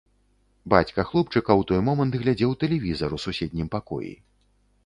Бацька хлопчыка ў той момант глядзеў тэлевізар у суседнім пакоі.